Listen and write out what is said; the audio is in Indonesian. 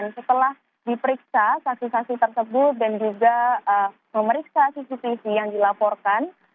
setelah diperiksa saksi saksi tersebut dan juga memeriksa cctv yang dilaporkan